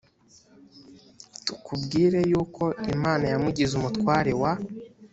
tukubwire yuko imana yamugize umutware wa